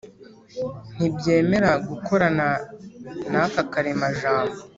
ntibyemera gukorana n'aka karemajambo